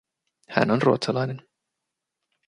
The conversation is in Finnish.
Hän on ruotsalainen.